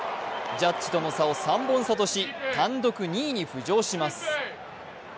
ジャッジとの差を３本差とし単独２位に浮上します。